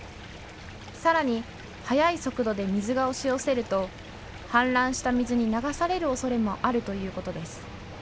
さらに速い速度で水が押し寄せると氾濫した水に流される恐れもあるということです。